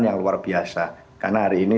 yang luar biasa karena hari ini